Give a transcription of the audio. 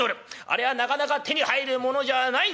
あれはなかなか手に入るものじゃないんじゃ。